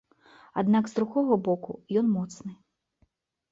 Аднак, з другога боку, ён моцны.